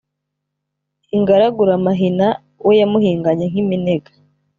Ingaraguramahina we yamuhinganye nk’iminega